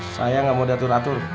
saya gak mau datur atur